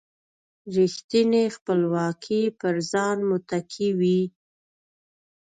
رېښتینې خپلواکي پر ځان متکي وي.